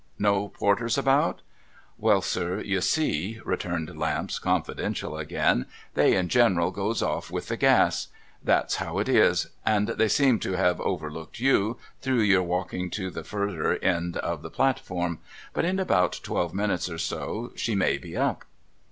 ' No porters ahout ?' MVell, sir, you see,' returned Lamps, confidential again, 'they in general goes off with the gas. That's how it is. And they seem to have overlooked you, through your walking to the furder end of the platform. But, in ahout twelve minutes or so, she may be up.'